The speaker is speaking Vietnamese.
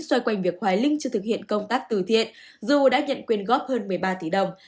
xoay quanh việc hoài linh chưa thực hiện công tác từ thiện dù đã nhận quyên góp hơn một mươi ba tỷ đồng